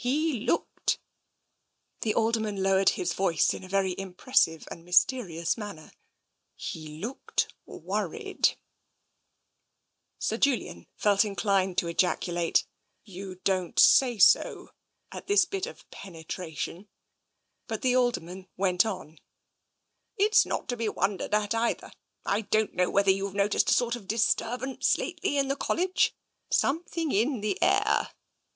He looked" — the Alderman low ered his voice in a very impressive and mysterious manner —" he looked worried/^ Sir Julian felt inclined to ejaculate, " You don't say so !" at this bit of penetration, but the Alderman went on: " It's not to be wondered at, either. I don't know whether you've noticed a sort of disturbance lately in the College — something in the air